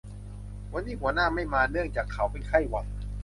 วันนี้หัวหน้าไม่มาเนื่องจากเขาเป็นไข้หวัด